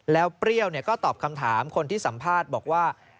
แล้วเปรี้ยวก็ตอบคำถามคนที่สัมภาษณ์บอกว่า